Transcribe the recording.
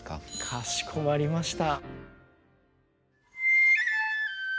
かしこまりました。